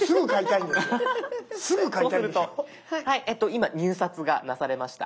今入札がなされました。